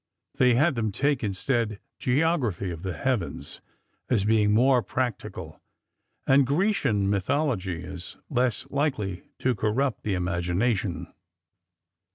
They had them take instead geography of the heavens, as being more practical, and Grecian mythology as less likely to corrupt the imagination.